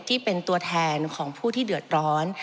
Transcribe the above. ที่เป็นตัวแทนของผู้ที่เดือดร้อน